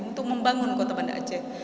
untuk membangun kota banda aceh